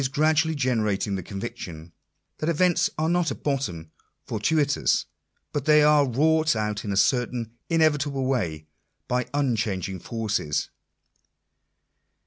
4 1 gradually generating the conviction, that events are not at bottom fortuitous ; but that they are wrought out in a certain inevitable way by uncbangingforQes.